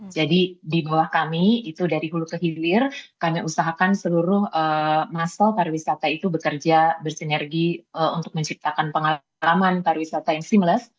jadi di bawah kami itu dari hulu ke hilir kami usahakan seluruh muscle pariwisata itu bekerja bersinergi untuk menciptakan pengalaman pariwisata yang seamless